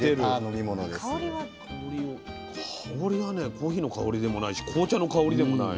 コーヒーの香りでもないし紅茶の香りでもない。